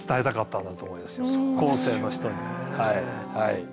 後世の人に。